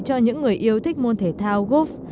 cho những người yêu thích môn thể thao golf